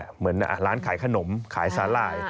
เหมือนร้านขายขนมขายสาหร่าย